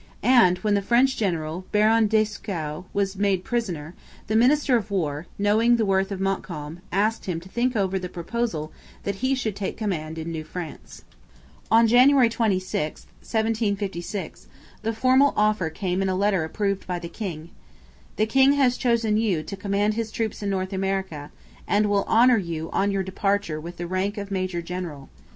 And, when the French general, Baron Dieskau, was made prisoner, the minister of War, knowing the worth of Montcalm, asked him to think over the proposal that he should take command in New France. On January 26, 1756, the formal offer came in a letter approved by the king. 'The king has chosen you to command his troops in North America, and will honour you on your departure with the rank of major general.